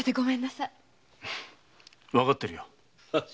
わかってるよ。